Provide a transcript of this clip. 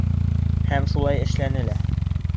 Һәм шулай эшләне лә.